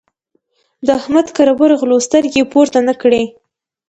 د احمد کره ورغلو؛ سترګې يې پورته نه کړې.